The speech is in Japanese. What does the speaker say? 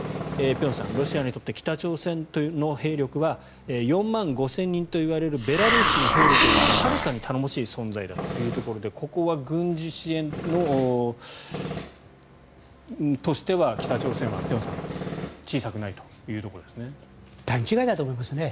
辺さん、ロシアにとって北朝鮮の兵力は４万５０００人といわれるベラルーシの兵力よりもはるかに頼もしい存在だということでここは軍事支援としては北朝鮮は辺さん小さくないというところですね。